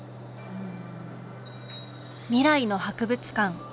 「未来の博物館」